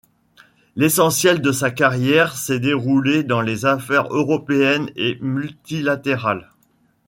L’essentiel de sa carrière s’est déroulé dans les affaires européennes et multilatérales.